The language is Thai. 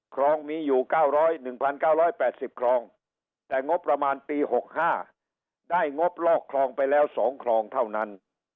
คลองมีอยู่๙๐๑๙๘๐คลองแต่งบประมาณปี๖๕ได้งบลอกคลองไปแล้ว๒คลองเท่านั้น